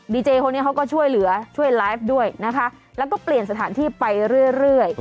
เจคนนี้เขาก็ช่วยเหลือช่วยไลฟ์ด้วยนะคะแล้วก็เปลี่ยนสถานที่ไปเรื่อย